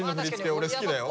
俺好きだよ。